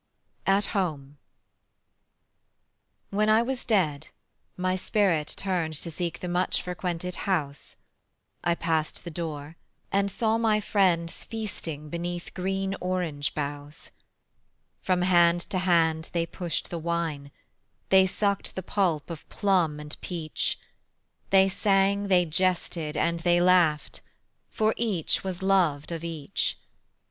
AT HOME. When I was dead, my spirit turned To seek the much frequented house I passed the door, and saw my friends Feasting beneath green orange boughs; From hand to hand they pushed the wine, They sucked the pulp of plum and peach; They sang, they jested, and they laughed, For each was loved of each.